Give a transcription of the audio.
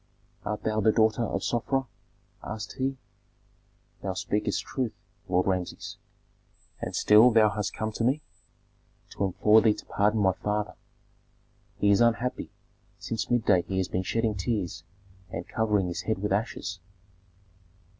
"Art thou the daughter of Sofra?" asked he. "Thou speakest truth, Lord Rameses." "And still thou hast come to me!" "To implore thee to pardon my father. He is unhappy; since midday he has been shedding tears and covering his head with ashes."